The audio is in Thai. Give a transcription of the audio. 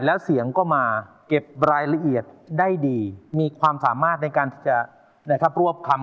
แล้วเสียงก็มาเก็บรายละเอียดได้ดีมีความสามารถในการที่จะรวบคำ